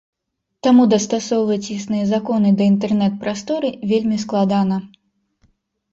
Таму дастасоўваць існыя законы да інтэрнэт-прасторы вельмі складана.